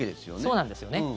そうなんですよね。